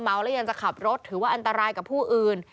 หรือยังจะขับรถถือว่าอันตรายกับผู้อื่น